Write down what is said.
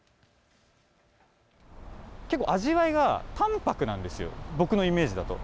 結構味わいが淡泊なんですよ、僕のイメージだと。